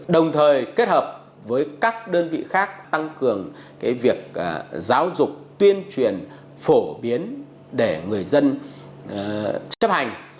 đồng thời kết hợp với các đơn vị khác tăng cường việc giáo dục tuyên truyền phổ biến để người dân chấp hành